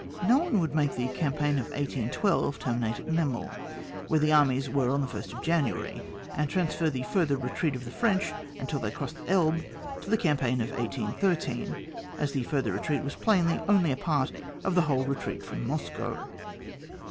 No one would make the Campaign of 1812 terminate at Memel, where the armies were on thelst January, and transfer the further retreat of the French until they recrossed the Elbe to the campaign of 1813, as that further retreat was plainly only a part of the whole retreat from Moscow.